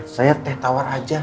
saya teh tawar aja